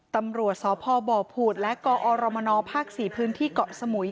ตำรวจสพบผูดและกอรมนภ๔พื้นที่เกาะสมุย